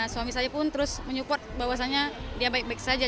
suami saya pun terus menyupport bahwasannya dia baik baik saja